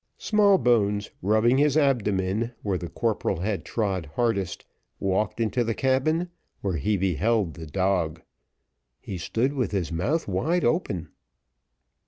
Smallbones, rubbing his abdomen, where the corporal had trod hardest, walked into the cabin, where he beheld the dog. He stood with his mouth wide open.